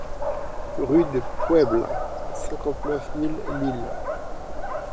RUE DE PUEBLA, cinquante-neuf mille Lille